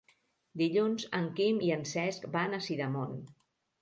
Dilluns en Quim i en Cesc van a Sidamon.